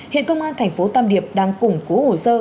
hiện công an thành phố tam điệp đang củng cố hồ sơ